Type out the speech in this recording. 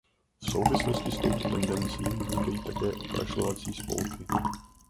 V souvislosti s touto tendencí vznikají také okrašlovací spolky.